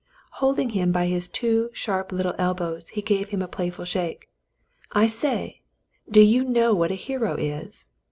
Holding him by his two sharp little elbows, he gave him a playful shake. "I say, do you know what a hero is.'